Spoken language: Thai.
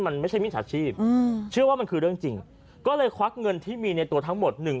มันไม่ใช่มิจฉาชีพอืมเชื่อว่ามันคือเรื่องจริงก็เลยควักเงินที่มีในตัวทั้งหมดหนึ่ง